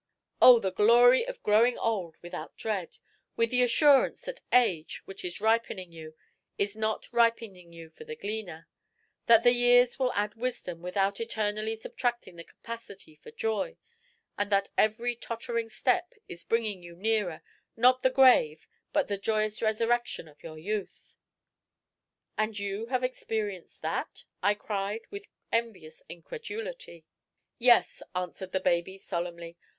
Oh! the glory of growing old without dread, with the assurance that age, which is ripening you, is not ripening you for the Gleaner, that the years will add wisdom without eternally subtracting the capacity for joy, and that every tottering step is bringing you nearer, not the Grave, but the joyous resurrection of your youth!" "And you have experienced that?" I cried, with envious incredulity. "Yes," answered the baby solemnly.